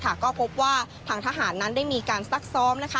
ก็พบว่าทางทหารนั้นได้มีการซักซ้อม